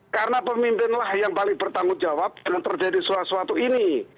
karena pemimpinlah yang paling bertanggung jawab dengan terjadi sesuatu ini